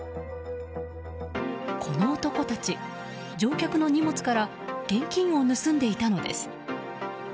この男たち、乗客の荷物から現金を盗んでいたのです。